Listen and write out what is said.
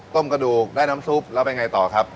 กระดูกได้น้ำซุปแล้วเป็นไงต่อครับ